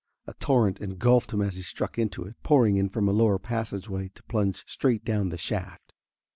A torrent engulfed him as he struck into it, pouring in from a lower passageway to plunge straight down the shaft.